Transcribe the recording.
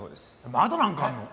まだなんかあるの？